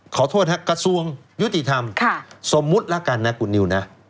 ขอโทษฮะกระทรวงยุติธรรมสมมุติแล้วกันนะคุณนิวนะ